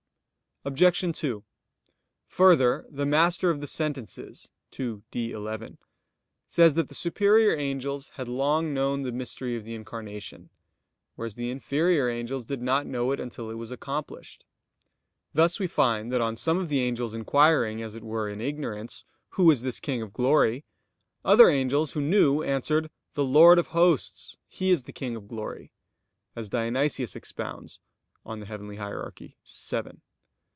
Obj. 2: Further, the Master of the Sentences (ii, D, 11) says that the superior angels had long known the Mystery of the Incarnation, whereas the inferior angels did not know it until it was accomplished. Thus we find that on some of the angels inquiring, as it were, in ignorance: "Who is this King of glory?" other angels, who knew, answered: "The Lord of Hosts, He is the King of glory," as Dionysius expounds (Coel. Hier. vii).